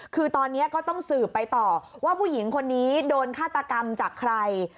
คือตอนนี้ก็ต้องสืบไปต่อว่าผู้หญิงคนนี้โดนฆาตกรรมจากใคร